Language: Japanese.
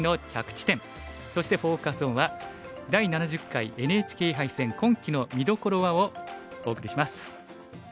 そしてフォーカス・オンは「第７０回ＮＨＫ杯戦今期の見どころは？」をお送りします。